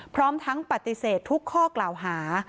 พร้อมทั้งปฏิเสธทุกข้อกล่าวหา